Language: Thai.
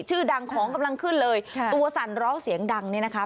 ชื่อดังของกำลังขึ้นเลยค่ะตัวสั่นร้องเสียงดังเนี่ยนะคะ